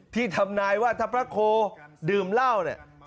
ที่ทำนายว่าถ้าพระโคดื่มเหล้าเนี่ย